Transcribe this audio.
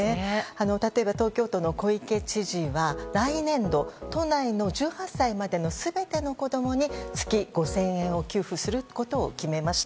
例えば東京都の小池知事は来年度都内の１８歳までの全ての子供に月５０００円を給付することを決めました。